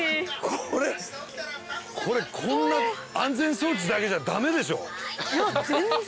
これこんな安全装置だけじゃ駄目でしょ。